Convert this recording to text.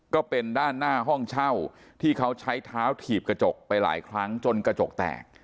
ก็เป็นด้านหน้าห้องเช่าที่เขาใช้เท้าถีบกระจกไปหลายครั้งจนกระจกแตก